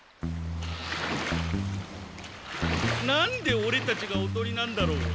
なんでオレたちがおとりなんだろう？